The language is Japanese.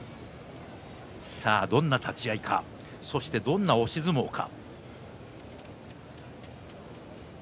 どんな立ち合いか、そしてどんな押し相撲か。